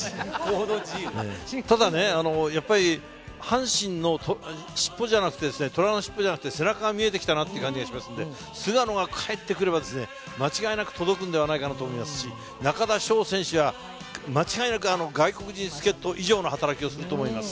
ただね、やっぱり、阪神の尻尾じゃなくて、虎の尻尾じゃなくて、背中が見えてきたなっていう感じがしましたので、菅野が帰ってくれば、間違いなく届くんではないかなと思いますし、中田翔選手は、間違いなく外国人助っと以上の働きをすると思います。